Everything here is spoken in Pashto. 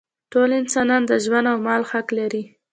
ټول انسانان د ژوند او مال حق لري.